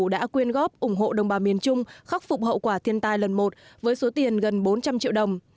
đã quyên góp ủng hộ đồng bào miền trung khắc phục hậu quả thiên tai lần một với số tiền gần bốn trăm linh triệu đồng